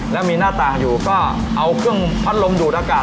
แล้วมีหน้าต่างอยู่ก็เอาเครื่องพัดลมดูดอากาศ